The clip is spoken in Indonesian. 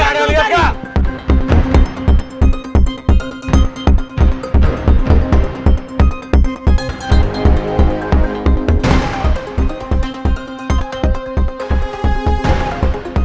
ada liat gak